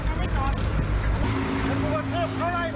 ปรบรรทามานเมื่อไหม